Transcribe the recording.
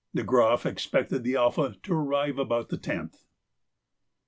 De Groff expected the 'Alpha' to arrive about the 10th.